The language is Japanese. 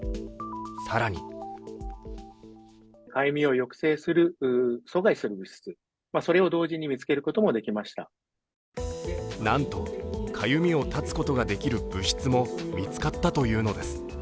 更になんと、かゆみを断つことが出来る物質も見つかったというのです。